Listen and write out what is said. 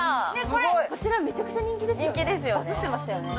こちらめちゃくちゃ人気ですよね